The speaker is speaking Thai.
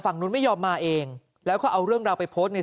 นุ้นไม่ยอมมาเองแล้วก็เอาเรื่องราวไปโพสต์ใน